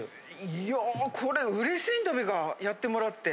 いやぁ、これ、うれしいんだべか、やってもらって。